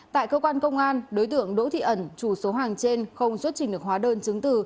tại cơ quan công an đối tượng đỗ thị ẩn chủ số hàng trên không xuất trình được hóa đơn chứng từ